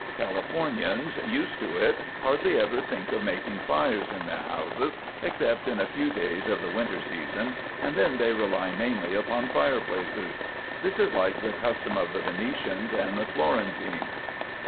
Californians, used to it, hardly ever think of making fires in their houses except in a few days of the winter season, and then they rely mainly upon fireplaces. This is like the custom of the Venetians and the Florentines.